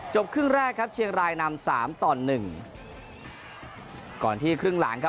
ครึ่งแรกครับเชียงรายนำสามต่อหนึ่งก่อนที่ครึ่งหลังครับ